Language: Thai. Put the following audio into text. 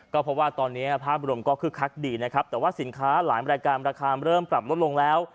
ก็เพราะว่าตอนนี้ภาพรวมก็คึกคักดีนะครับแต่ว่าสินค้าหลายรายการราคาเริ่มปรับลดลงแล้ว